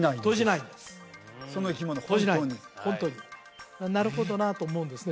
ホントになるほどなと思うんですね